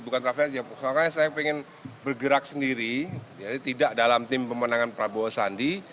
soalnya saya ingin bergerak sendiri jadi tidak dalam tim pemenangan prabowo sandi